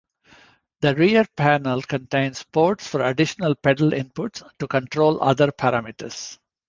The rear panel contains ports for additional pedal inputs, to control other parameters.